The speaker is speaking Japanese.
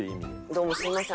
どうもすみません。